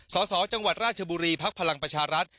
สสจังหวัดราชบุรีภักดิ์พลังประชารัฐ